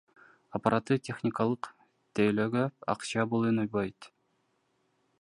Аппаратты техникалык тейлөөгө акча бөлүнбөйт.